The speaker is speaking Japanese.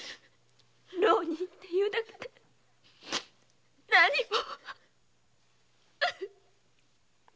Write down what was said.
浪人というだけで何も。